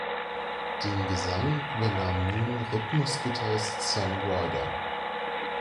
Den Gesang übernahm nun Rhythmusgitarrist Sam Ryder.